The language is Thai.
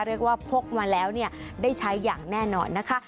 เรียกว่าพกมาแล้วได้ใช้อย่างแน่นอนนะคะ